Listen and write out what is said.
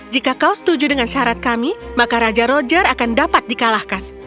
jika kau setuju dengan syarat kami maka raja roger akan dapat dikalahkan